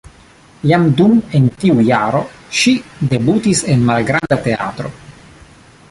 Jam dum en tiu jaro ŝi debutis en malgranda teatro.